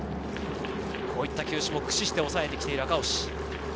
こういった球種も駆使して抑えて来ている赤星。